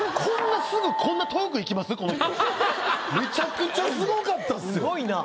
めちゃくちゃすごかったっすよ。